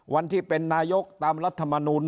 วันที่เป็นนายกตามรัฐมนูล